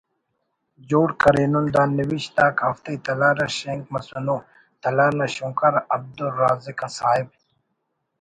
جوڑ کرینن دا نوشت آک ہفتئی تلار اٹ شینک مسونو تلار نا شونکار عبدالرازق صاحب